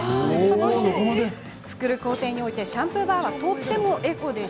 作る工程においてシャンプーバーは、とてもエコ。